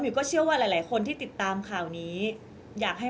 มิวยังมั่นใจนะคะว่ายังมีเจ้าหน้าที่ตำรวจอีกหลายคนที่พร้อมจะให้ความยุติธรรมกับมิว